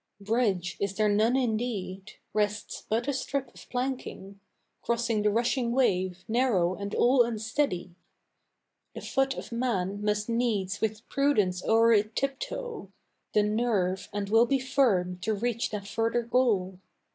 Bridge is there none indeed rests but a strip of planking, Crossing the rushing wave, narrow and all unsteady. The foot of man must needs with prudence o'er it tiptoe, The nerve and will be firm to reach that further goal.